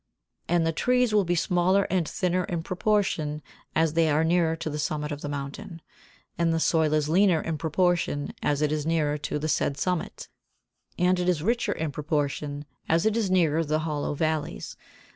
And the trees will be smaller and thinner in proportion as they are nearer to the summit of the mountain; and the soil is leaner in proportion as it is nearer to the said summit, and it is richer in proportion as it is nearer the hollow valleys.